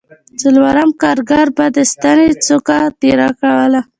څلورم کارګر به د ستنې څوکه تېره کوله